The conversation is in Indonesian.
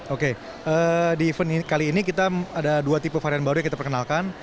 oke di event kali ini kita ada dua tipe varian baru yang kita perkenalkan